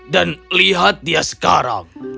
dan lihat dia sekarang